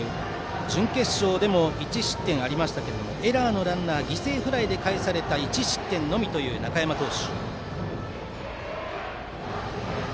準決勝でも１失点ありましたがエラーのランナーを犠牲フライでかえされた１失点のみという中山投手。